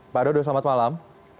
pak dodo selamat malam